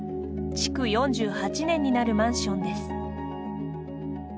築４８年になるマンションです。